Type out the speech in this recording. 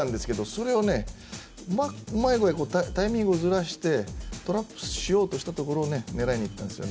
それをねうまい具合にタイミングをずらしてトラップしようとしたところを狙いにいったんですよ。